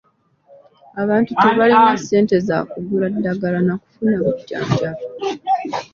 Abantu tebalina ssente za kugula ddagala na kufuna bujjanjabi.